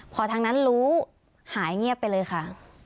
พอทางนั้นรู้หายเงียบไปเลยค่ะ